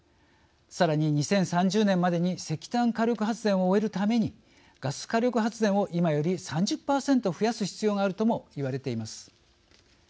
さらに２０３０年までに石炭火力発電を終えるためにガス火力発電を今より３０％増やす必要があるともいわれています。